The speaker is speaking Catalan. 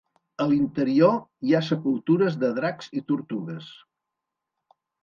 A l'interior hi ha sepultures de dracs i tortugues.